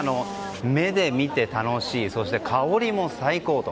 目で見て楽しいそして香りも最高と。